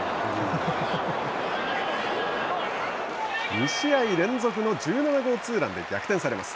２試合連続の１７号ツーランで逆転されます。